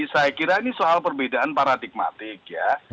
saya kira ini soal perbedaan paradigmatik ya